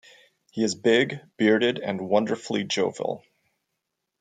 He is big, bearded and wonderfully jovial.